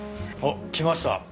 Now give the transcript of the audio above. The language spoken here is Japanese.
あっ来ました。